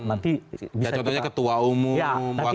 contohnya ketua umum wakil ketua umum